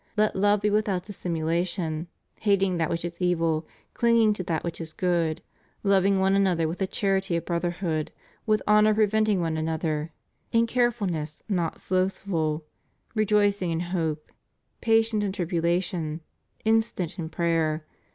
Let love be without dissimulation — ^hating that which is evil; clinging to that which is good; loving one another with the charity of brotherhood; with honor preventing one another; in carefulness, not slothful; rejoicing in hope; patient in tribulation; instant in prayer.